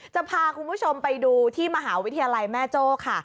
จะพาคุณผู้ชมไปดูที่มหาวิทยาลัยแม่โจ้ค่ะ